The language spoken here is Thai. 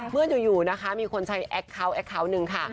เมื่ออยู่นะคะมีคนใช้แอคเคาน์แอคเคาน์หนึ่งค่ะ